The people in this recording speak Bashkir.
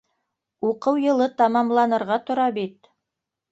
Уҡыу йылы тамамланырға тора бит.